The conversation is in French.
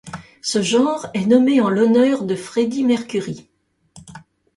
Ce genre est nommé en l'honneur de Freddie Mercury.